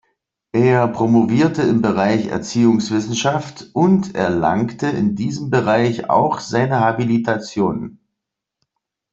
Er promovierte im Bereich Erziehungswissenschaft und erlangte in diesem Bereich auch seine Habilitation.